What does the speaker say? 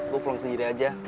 gua pulang sendiri aja